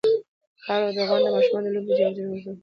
خاوره د افغان ماشومانو د لوبو یوه جالبه موضوع ده.